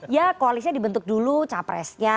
ya koalisnya dibentuk dulu capresnya